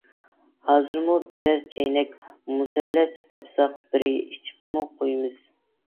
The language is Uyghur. ھازىرمۇ بىرەر چەينەك مۇسەللەس تاپساق بىرگە ئىچىپمۇ قويىمىز.